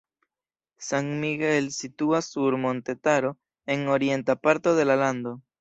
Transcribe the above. San Miguel situas sur montetaro en orienta parto de la lando.